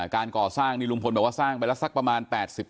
การก่อสร้างนี่ลุงพลบอกว่าสร้างไปแล้วสักประมาณ๘๐